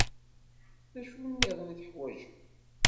D acu-nniḍen i teḥwajem?